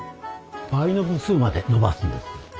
倍の部数まで伸ばすんです。